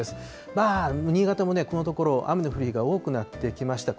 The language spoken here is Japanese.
まあ、新潟もこのところ、雨の降る日が多くなってきました。